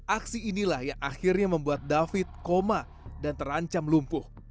aksi inilah yang akhirnya membuat david koma dan terancam lumpuh